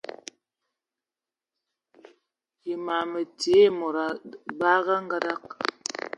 E mam mə ti ai e mod a mbəgə yə a ongəngəma.